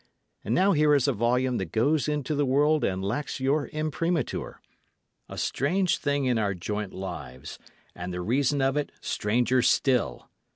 And now here is a volume that goes into the world and lacks your imprimatur: a strange thing in our joint lives; and the reason of it stranger still!